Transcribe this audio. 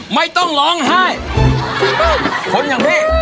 อ๋อกินรวม